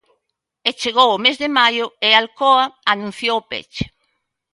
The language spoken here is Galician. E chegou o mes de maio e Alcoa anunciou o peche.